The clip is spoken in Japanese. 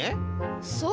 そう！